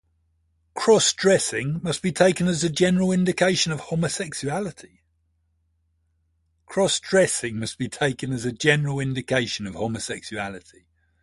Cross-dressing must be taken as a general indication of homosexuality.